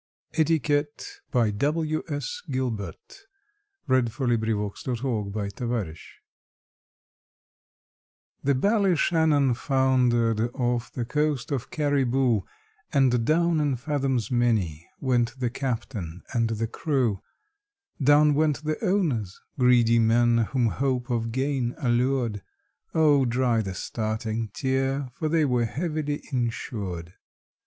quitaine, To HONGREE, Sub Lieutenant of Chassoores. ETIQUETTE. THE Ballyshannon foundered off the coast of Cariboo, And down in fathoms many went the captain and the crew; Down went the owners—greedy men whom hope of gain allured: Oh, dry the starting tear, for they were heavily insured.